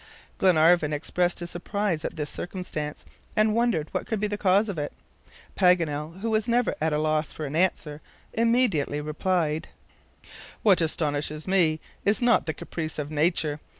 Glenarvan expressed his surprise at this circumstance, and wondered what could be the cause of it. Paganel, who was never at a loss for an answer, immediately replied: "What astonishes me is not the caprice of nature.